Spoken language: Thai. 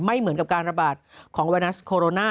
เหมือนกับการระบาดของไวรัสโคโรนา